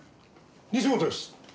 西本です。